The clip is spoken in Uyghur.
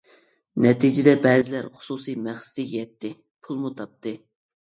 نەتىجىدە، بەزىلەر خۇسۇسىي مەقسىتىگە يەتتى، پۇلمۇ تاپتى.